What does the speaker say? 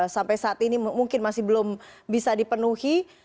sampai saat ini mungkin masih belum bisa dipenuhi